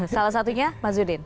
salah satunya mas udin